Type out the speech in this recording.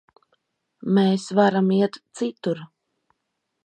Mēs varam iet citur.